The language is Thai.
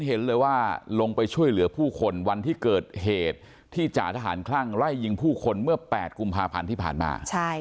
เห็นเลยว่าลงไปช่วยเหลือผู้คนวันที่เกิดเหตุที่จ่าทหารคลั่งไล่ยิงผู้คนเมื่อ๘กุมภาพันธ์ที่ผ่านมา